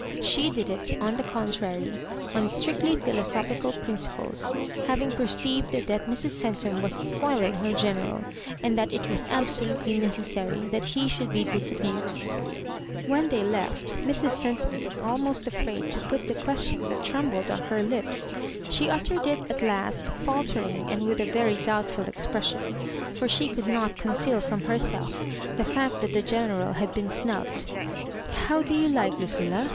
She did it, on the contrary, on strictly philosophical principles, having perceived that Mrs. Centum was spoiling her General, and that it was absolutely necessary that he should be disabused. When they left, Mrs. Centum was almost "afraid to put the question that trembled on her lips. She uttered it at last, fieiltering, and with a very doubtful expression, for she could not con ceal from herself the fact that the General had been snubbed. "How do you like Lucilla?"